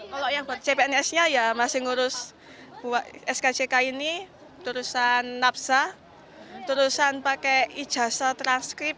kalau yang buat cpns nya ya masih ngurus skck ini terusan napsa terusan pakai ijasa transkrip